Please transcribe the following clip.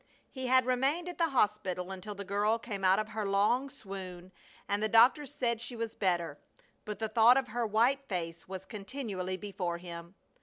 He had remained at the hospital until the girl came out of her long swoon and the doctor said she was better, but the thought of her white face was continually before him.